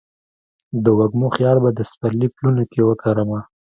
د وږمو خیال به د سپرلي پلونو کې وکرمه